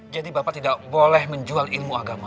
jadi bapak tidak boleh menjual ilmu agama